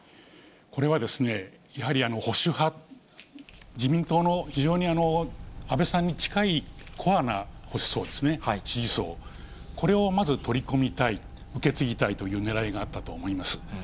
これは、やはり保守派、自民党の非常に安倍さんに近いコアな保守層ですね、支持層、これをまず取り込みたい、受け継ぎたいというねらいがあったと思います。